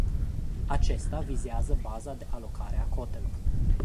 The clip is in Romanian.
Acesta vizează baza de alocare a cotelor.